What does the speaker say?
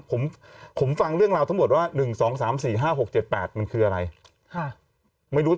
ผมผมฟังเรื่องราวทั้งหมดว่า๑๒๓๔๕๖๗๘มันคืออะไรไม่รู้